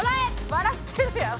「笑ってるやん」